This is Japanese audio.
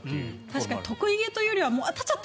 確かに得意げというよりはどうしよう！